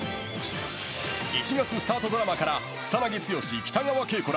１月スタートドラマから草なぎ剛、北川景子ら